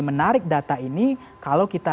menarik data ini kalau kita